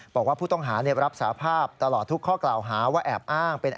บอกว่าผู้ต้องหารับสาภาพตลอดทุกข้อกล่าวหา